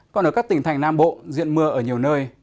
còn ở các tỉnh thành nam bộ diện mưa ở nhiều nơi